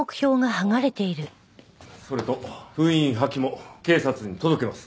ああそれと封印破棄も警察に届けます。